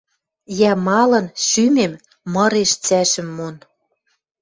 Йӓ, малын шӱмем мыреш цӓшӹм мон?